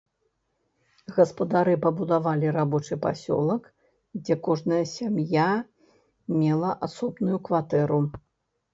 Гаспадары пабудавалі рабочы пасёлак, дзе кожная сям'я мела асобную кватэру.